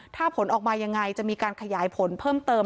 ถ้าผลออกมายังไงจะมีการขยายผลเพิ่มเติม